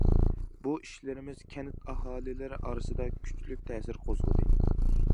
بۇ ئىشلىرىمىز كەنت ئاھالىلىرى ئارىسىدا كۈچلۈك تەسىر قوزغىدى.